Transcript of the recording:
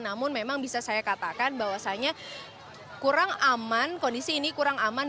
namun memang bisa saya katakan bahwasannya kurang aman kondisi ini kurang aman